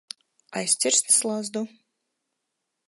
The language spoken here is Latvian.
Aizcirst slazdu.